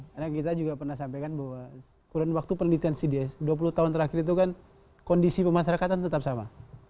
karena kita juga pernah sampaikan bahwa kurang waktu penelitian sides dua puluh tahun terakhir itu kan kondisi pemasarakatan tetap sama